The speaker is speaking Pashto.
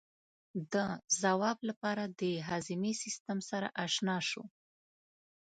د ځواب لپاره د هاضمې سیستم سره آشنا شو.